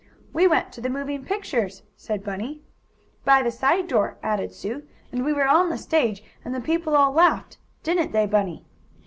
"We went to the moving pictures," said Bunny. "By the side door," added Sue. "And we were on the stage, and the people all laughed; didn't they Bunny?"